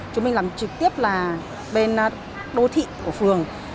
chúng mình làm trực tiếp là bên đô thị của phường